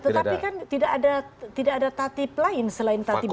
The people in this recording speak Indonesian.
tetapi kan tidak ada tatib lain selain tatib dua ribu empat belas